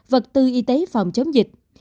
vật tư y tế phòng chống dịch